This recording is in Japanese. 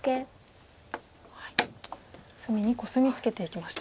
隅にコスミツケていきました。